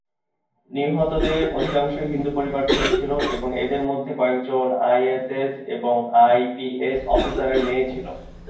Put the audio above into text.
নিহতদের অধিকাংশই হিন্দু পরিবার থেকে ছিল এবং তাদের মধ্যে কয়েকজন আইএএস এবং আইপিএস অফিসারের মেয়ে ছিল।